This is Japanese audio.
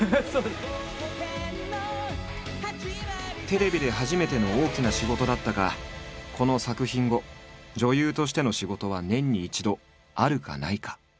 テレビで初めての大きな仕事だったがこの作品後女優としての仕事は年に一度あるかないか。